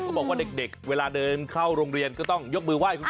บอกว่าเด็กเวลาเดินเข้าโรงเรียนก็ต้องยกมือไห้คุณพ่อ